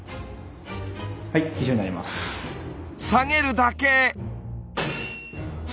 下げるだけ！